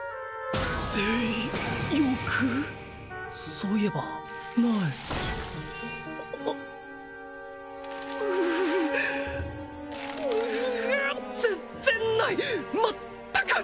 そういえばないううううう全然ない全く！